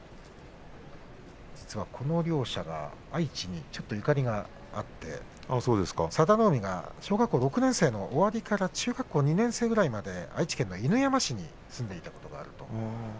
実は、この両者は愛知にちょっとゆかりがあって佐田の海が小学校６年生の終わりから中学校２年生の前まで愛知県の犬山市に住んでいたということなんです。